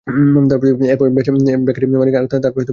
এরপর বেকারির মালিক আর তারপর সবজির দোকানদার।